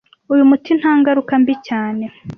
Uyu muti nta ngaruka mbi cyane